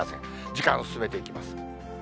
時間進めていきます。